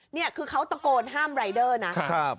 นี่คือเขาตะโกนห้ามรายเดอร์นะครับ